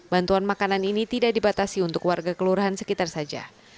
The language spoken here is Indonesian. bantuan makanan ini tidak dibatasi untuk warga kelurahan sekitar saja